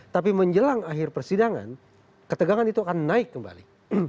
tapi menjelang akhir persidangan ketegangan itu akan naik kembali